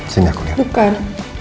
sini aku lihat